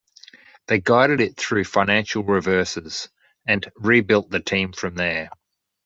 They guided it through financial reverses, and rebuilt the team from there.